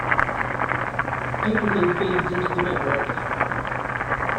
Everything feeds into the network.